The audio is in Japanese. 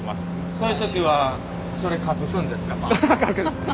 そういう時はそれ隠すんですか？